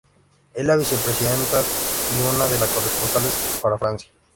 Es la vicepresidenta y una de las corresponsales para Francia.